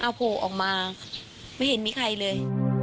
เอาโผล่ออกมาไม่เห็นมีใครเลย